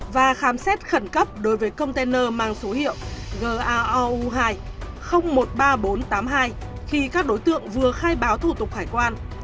và khám xét khẩn cấp đối với container mang số hiệu gau hai một mươi ba nghìn bốn trăm tám mươi hai khi các đối tượng vừa khai báo thủ tục hải quan